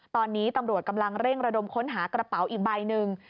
ตอนนี้ตำรวจกำลังเร่งระดมค้นหากระเป๋าอีกใบหนึ่ง